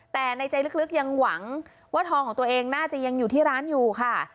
แต่ในใจลึกยังหวังว่าทองของตัวเองน่าจะยังอยู่ที่ร้านอยู่ค่ะ